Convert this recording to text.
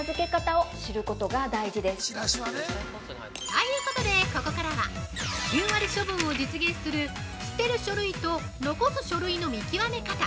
◆ということで、ここからは９割処分を実現する、捨てる書類と残す書類の見きわめ方。